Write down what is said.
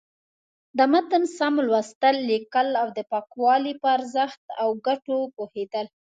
د متن سم لوستل، ليکل او د پاکوالي په ارزښت او گټو پوهېدل.